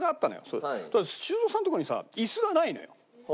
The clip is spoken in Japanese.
そしたら修造さんのとこにさイスがないのよ。